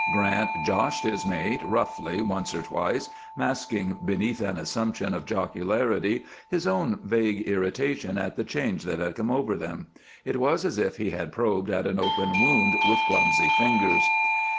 Grant joshed his mate roughly, once or twice, masking beneath an assumption of jocularity his own vague irritation at the change that had come over them. It was as if he had probed at an open wound with clumsy fingers.